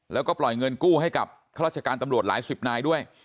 แล้วก็ปล่อยเงินกู้ให้กับข้าราชการตำรวจหลายสิบนายด้วย